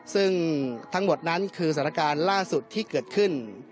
ซึ่งทั้งหมดนั้นคือสถานการณ์ล่าสุดที่เกิดขึ้น